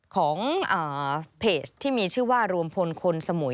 ของเพจที่มีชื่อว่ารวมพลคนสมุย